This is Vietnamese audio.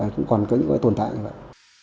cũng còn có những cái tồn tại như vậy